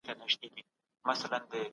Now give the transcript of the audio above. پوهان د نوي زمانې غوښتنې څېړي.